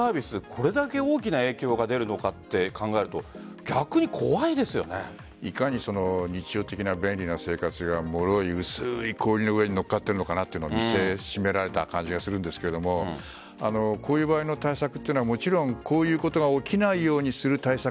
これだけ大きな影響が出るのかって考えるといかに日常的な便利な生活がもろい、薄い氷の上に乗っかっているのかが見せしめられた感じがするんですけど対策というのはもちろんこういうことが起きないようにする対策